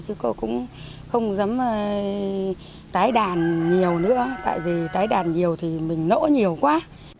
chứ cô cũng không dám tái đàn nhiều nữa tại vì tái đàn nhiều thì mình nộ nhiều quá